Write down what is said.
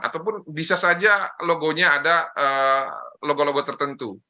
ataupun bisa saja logonya ada logo logo tertentu